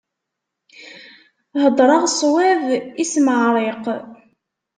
Heddṛeɣ ṣṣwab, ismeɛṛiq.